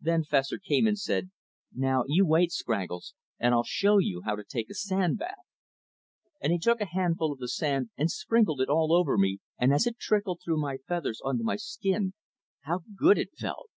Then Fessor came and said: "Now you wait, Scraggles, and I'll show you how to take a sand bath." And he took a handful of the sand and sprinkled it all over me, and as it trickled through my feathers onto my skin, how good it felt!